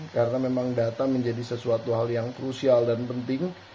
karena memang data menjadi sesuatu hal yang krusial dan penting